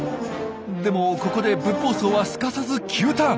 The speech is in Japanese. でもここでブッポウソウはすかさず急ターン。